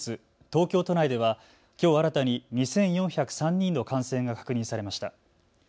東京都内ではきょう新たに２４０３人の感染が確認されました。